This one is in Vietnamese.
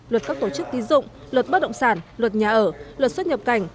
luật các tổ chức tín dụng luật bất động sản luật nhà ở luật xuất nhập cảnh